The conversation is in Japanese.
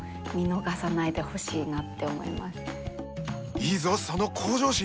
いいぞその向上心！